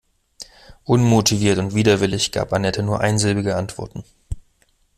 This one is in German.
Unmotiviert und widerwillig gab Anette nur einsilbige Antworten.